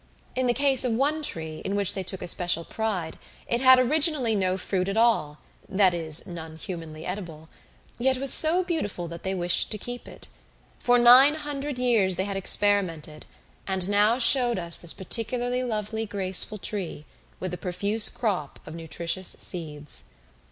In the case of one tree, in which they took especial pride, it had originally no fruit at all that is, none humanly edible yet was so beautiful that they wished to keep it. For nine hundred years they had experimented, and now showed us this particularly lovely graceful tree, with a profuse crop of nutritious seeds.